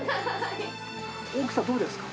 大きさどうですか？